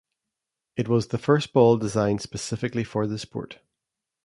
It was the first ball designed specifically for the sport.